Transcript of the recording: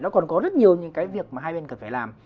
nó còn có rất nhiều những cái việc mà hai bên cần phải làm